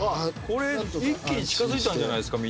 これ一気に近づいたんじゃないっすか？